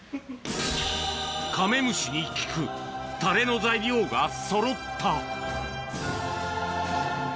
カメムシに効くたれの材料がそろった。